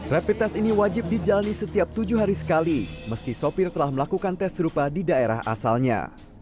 rapid test ini wajib dijalani setiap tujuh hari sekali meski sopir telah melakukan tes serupa di daerah asalnya